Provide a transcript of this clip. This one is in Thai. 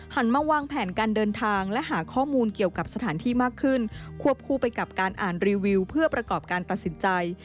มาวางแผนการเดินทางและหาข้อมูลเกี่ยวกับสถานที่มากขึ้นควบคู่ไปกับการอ่านรีวิวเพื่อประกอบการตัดสินใจ